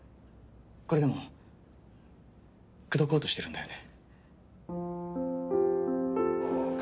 これでも口説こうとしてるんだよね。